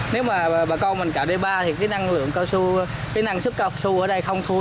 nếu mà bà con mình cạo d ba thì cái năng sức cao su ở đây không thua